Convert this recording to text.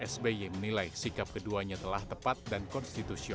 sby menilai sikap keduanya telah tepat dan konstitusional